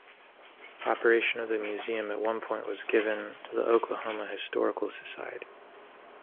Operation of the museum at one point was given to the Oklahoma Historical Society.